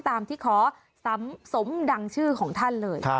ตามที่ขอสมดังชื่อของท่านเลย